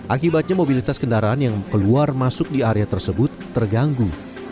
akibatnya mobilitas kendaraan yang keluar masuk di area tersebut terganggu